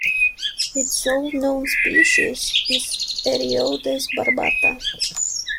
Its sole known species is Eriodes barbata.